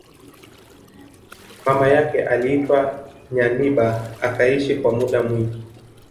Mama yake aliitwa Nyanibah akaishi kwa muda mwingi